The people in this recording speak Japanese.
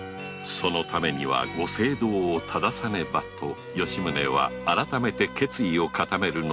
そのためにはご政道を糺さねばと吉宗は改めて決意をかためるのであった